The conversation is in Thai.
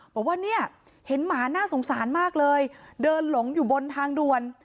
บอกว่าเนี่ยเห็นหมาน่าสงสารมากเลยเดินหลงอยู่บนทางด่วน